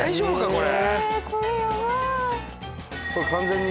これ。